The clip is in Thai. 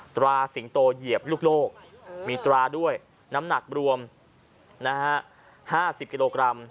ตราสิงโตเหยียบลูกโลกมีตราด้วยน้ำหนักรวม๕๐กิโลกรัม